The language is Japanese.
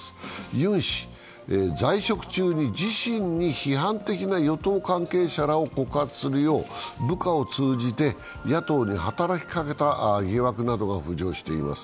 ユン氏、在職中に自身に批判的な与党関係者らを告発するよう部下を通じて野党に働きかけた疑惑などが浮上しています。